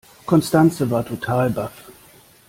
Constanze war total baff.